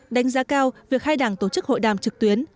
đánh giá cao việc hai đảng tổ chức hội đàm trực tuyến